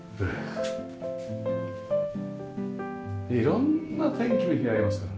色んな天気の日がありますからね。